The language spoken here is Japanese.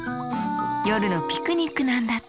よるのピクニックなんだって！